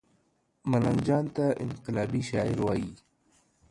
ملنګ جان ته انقلابي شاعر وايي